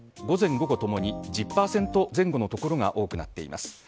午前午後とも２０％前後の所が多くなっています。